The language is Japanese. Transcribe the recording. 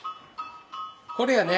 これやね？